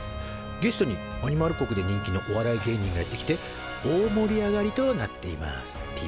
ゲストにアニマル国で人気のお笑い芸人がやって来て大盛り上がりとなっていますＴ！